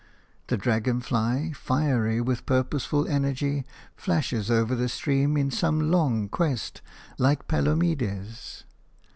The dragon fly, fiery with purposeful energy, flashes over the stream in some long quest, like Palomides.